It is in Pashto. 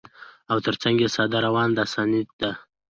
او تر څنګ يې ساده، روانه داستاني ده